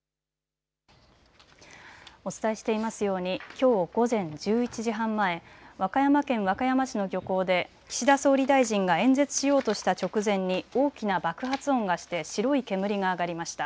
お伝えしていますようにきょう午前１１時半前、和歌山県和歌山市の漁港で岸田総理大臣が演説しようとした直前に大きな爆発音がして白い煙が上がりました。